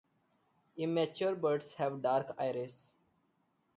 Immature birds have a dark iris.